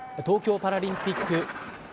東京パラリンピック